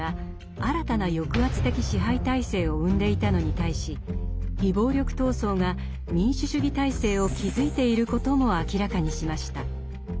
新たな抑圧的支配体制を生んでいたのに対し非暴力闘争が民主主義体制を築いていることも明らかにしました。